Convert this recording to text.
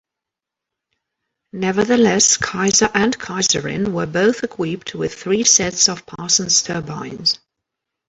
Nevertheless, "Kaiser" and "Kaiserin" were both equipped with three sets of Parsons turbines.